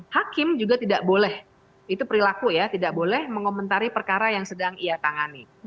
hakim juga tidak boleh itu perilaku ya tidak boleh mengomentari perkara yang sedang ia tangani